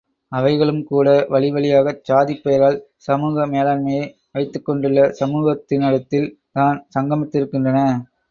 அவைகளும்கூட வழிவழியாகச் சாதிப் பெயரால் சமூக மேலாண்மையை வைத்துக் கொண்டுள்ள சமூகத்தினிடத்தில் தான் சங்கமித்திருக்கின்றன.